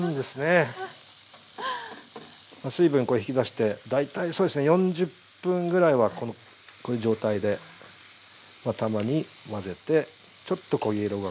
水分これ引き出して大体そうですね４０分ぐらいはこういう状態でたまに混ぜてちょっと焦げ色が付いてくるのを待ちます。